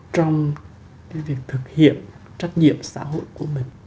trong việc thực hiện trách nhiệm xã hội của mình